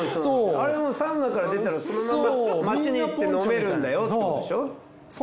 あれもうサウナから出たらそのまま街に行って飲めるんだよってことでしょう。